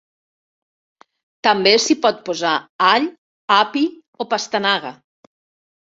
També s'hi pot posar all, api o pastanaga.